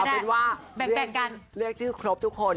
เอาเป็นว่าเลือกชื่อครบทุกคน